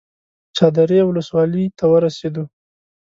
چادرې ولسوالۍ ته ورسېدو.